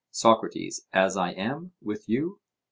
SOCRATES: As I am, with you?